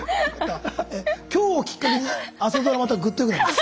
今日をきっかけに朝ドラまたグッと良くなります。